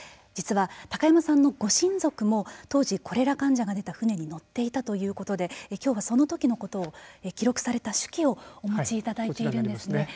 実は高山さんのご親族も当時、コレラ患者が出た船に乗っていたということできょうはそのときのことを記録された手記をお持ちいただいているんですね。